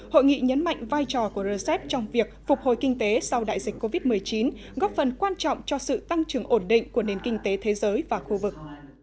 hội nghị nhấn mạnh vai trò của rcep trong việc phục hồi kinh tế sau đại dịch covid một mươi chín góp phần quan trọng cho sự tăng trưởng ổn định của nền kinh tế thế giới và khu vực